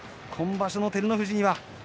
今場所の照ノ富士。